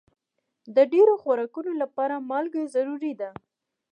د ډېرو خوراکونو لپاره مالګه ضروري ده.